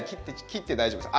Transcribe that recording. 切って大丈夫です。